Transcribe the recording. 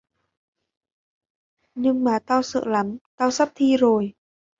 Nhưng mà tao sợ lắm Tao sắp thi rồi